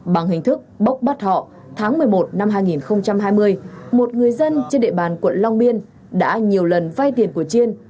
bằng hình thức bốc bắt họ tháng một mươi một năm hai nghìn hai mươi một người dân trên địa bàn quận long biên đã nhiều lần vay tiền của chiên